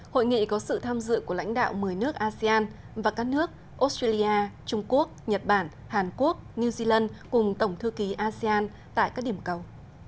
hội nghị có sự tham dự của lãnh đạo một mươi nước asean và các nước australia trung quốc nhật bản hàn quốc new zealand cùng tổng thư ký asean tại các điểm cầu